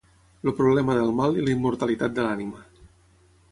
El problema del mal i la immortalitat de l'ànima.